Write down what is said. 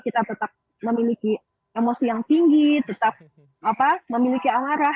kita tetap memiliki emosi yang tinggi tetap memiliki amarah